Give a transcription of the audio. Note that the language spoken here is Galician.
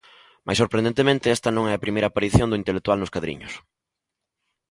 Mais sorprendentemente esta non é a primeira aparición do intelectual nos cadriños.